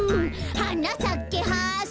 「はなさけハス」